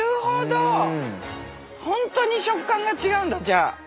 本当に食感が違うんだじゃあ。